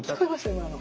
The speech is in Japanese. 今の。